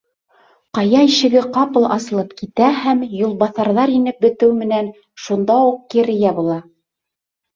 Ҡая ишеге ҡапыл асылып китә һәм, юлбаҫарҙар инеп бөтөү менән, шунда уҡ кире ябыла.